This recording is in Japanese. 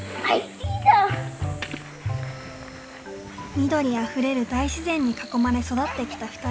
緑あふれる大自然に囲まれ育ってきた２人。